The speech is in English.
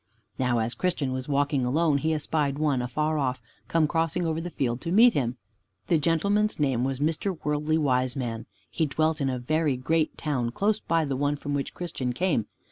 Now as Christian was walking alone, he espied one afar off, come crossing over the field to meet him. The gentleman's name was Mr. Worldly Wiseman. He dwelt in a very great town, close by the one from which Christian came.